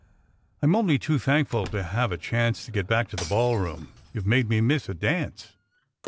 "I m only too thankful to have a chance to get back to the ballroom. You ve made me miss a dance."